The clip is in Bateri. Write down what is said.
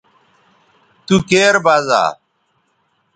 تو کیر بزا